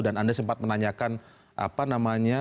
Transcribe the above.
dan anda sempat menanyakan apa namanya